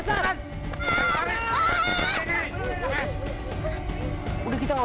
jalan tarik sana